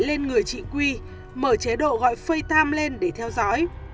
lên người chị quy mở chế độ gọi facetime lên để theo dõi